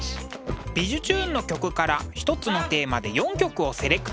「びじゅチューン！」の曲から一つのテーマで４曲をセレクト。